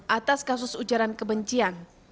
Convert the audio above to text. atas kasus ujaran kebencian